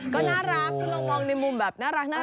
ก็น่ารักถ้าลองมองในมุมแบบน่ารัก